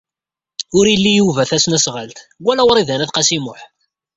Ur ili Yuba tasnasɣalt wala Wrida n At Qasi Muḥ.